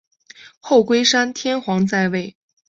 后龟山天皇在位。